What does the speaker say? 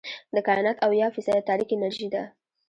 د کائنات اويا فیصده تاریک انرژي ده.